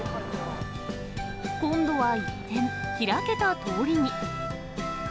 今度は一転、開けた通りに。